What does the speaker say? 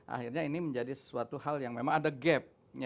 akhirnya ini menjadi sesuatu hal yang memang ada gap